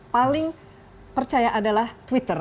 paling percaya adalah twitter